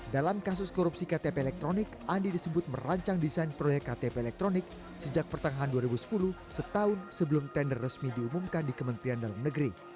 dalam kasus korupsi ktp elektronik andi disebut merancang desain proyek ktp elektronik sejak pertengahan dua ribu sepuluh setahun sebelum tender resmi diumumkan di kementerian dalam negeri